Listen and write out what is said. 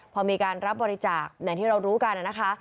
พอมีการรับบริจาคอย่างที่เรารู้กันนะคะ